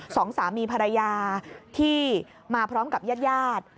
สองสามีภรรยาที่มาพร้อมกับญาติญาติ